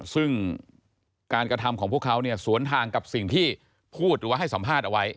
ซึ่งการกระทำของพวกเขาเนี่ยสวนทางกับสิ่งที่พูดหรือว่าให้สัมภาษณ์เอาไว้